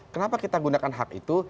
kenapa kita gunakan hak itu